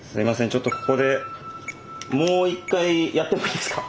ちょっとここでもう一回やってもいいですか？